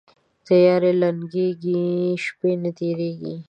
تیارې لنګیږي، شپه نه تیریږي